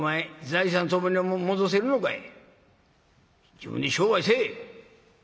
自分で商売せえ。